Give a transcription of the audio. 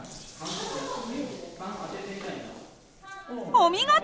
お見事！